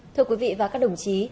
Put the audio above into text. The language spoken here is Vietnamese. thưa quý vị và các đồng chí